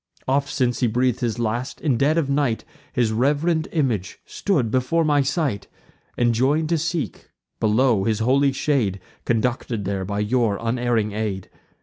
Oft, since he breath'd his last, in dead of night His reverend image stood before my sight; Enjoin'd to seek, below, his holy shade; Conducted there by your unerring aid.